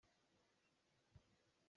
A pa nih a sik i rawl a nuar.